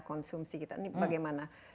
konsumsi kita ini bagaimana